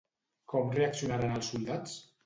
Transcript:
Com reaccionaren els soldats?